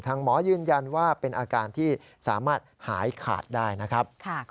หมอยืนยันว่าเป็นอาการที่สามารถหายขาดได้นะครับ